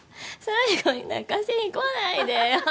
最後に泣かせにこないでよ